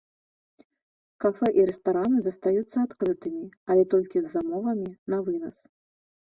Кафэ і рэстараны застаюцца адкрытымі, але толькі з замовамі на вынас.